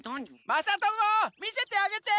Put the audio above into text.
まさともみせてあげて！